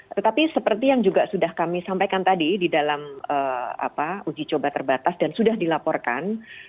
tetapi seperti yang juga sudah kami sampaikan tadi di dalam uji coba terbatas dan sudah dilaporkan